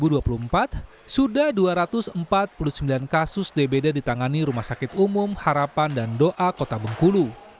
di april dua ribu dua puluh empat sudah dua ratus empat puluh sembilan kasus dpd ditangani rumah sakit umum harapan dan doa kota bengkulu